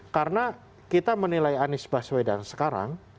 karena kita menilai anies baswedan sekarang